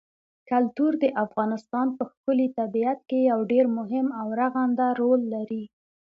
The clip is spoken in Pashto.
کلتور د افغانستان په ښکلي طبیعت کې یو ډېر مهم او رغنده رول لري.